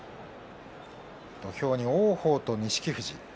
土俵に王鵬と錦富士。